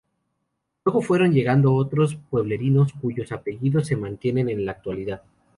Luego fueron llegando otros pueblerinos cuyos apellidos se mantienen en la actualidad.